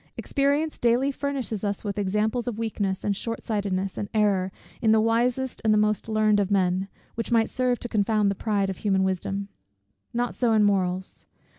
Experience daily furnishes us with examples of weakness, and short sightedness, and error, in the wisest and the most learned of men, which might serve to confound the pride of human wisdom. Not so in morals.